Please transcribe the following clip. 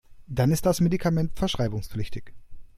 Dann ist das Medikament verschreibungspflichtig.